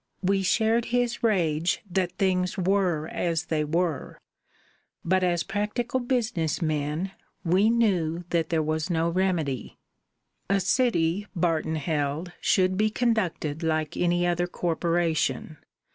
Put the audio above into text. We shared his rage that things were as they were, but as practical business men we knew that there was no remedy. A city, Barton held, should be conducted like any other corporation.